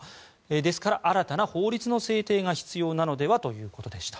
ですから、新たな法律の制定が必要なのではということでした。